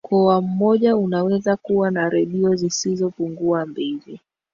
mkoa mmoja unaweza kuwa na redio zisizopungua mbili